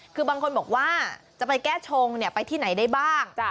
คือบางคนบอกว่าจะไปแก้ชงไปที่ไหนได้บ้าง